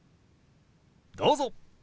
どうぞ。